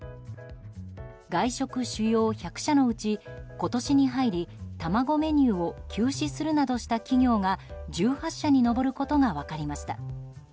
外食主要１００社のうち今年に入り卵メニューを休止するなどした企業が１８社に上ることが分かりました。